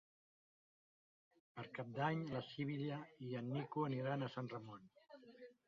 Per Cap d'Any na Sibil·la i en Nico aniran a Sant Ramon.